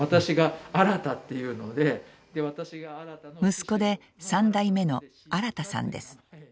息子で３代目の新さんです。